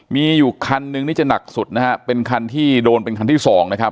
มีอยู่คันนึงนี่จะหนักสุดนะฮะเป็นคันที่โดนเป็นคันที่สองนะครับ